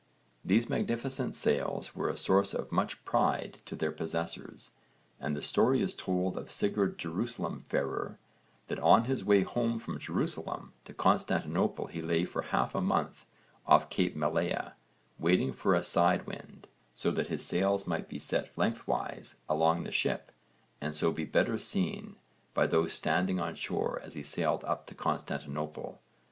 These magnificent sails were a source of much pride to their possessors, and the story is told of Sigurd Jerusalem farer that on his way home from Jerusalem to Constantinople he lay for half a month off Cape Malea, waiting for a side wind, so that his sails might be set lengthwise along the ship and so be better seen by those standing on shore as he sailed up to Constantinople.